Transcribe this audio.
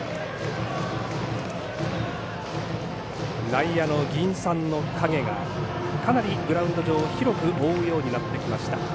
内野の銀傘の影がかなりグラウンド上を広く覆うようになってきました。